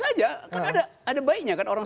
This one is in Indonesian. iya kan ada baiknya kan